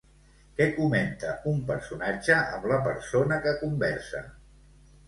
Què comenta un personatge amb la persona que conversa?